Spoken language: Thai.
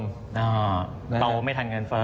โตไม่ทันเงินเฟ้อ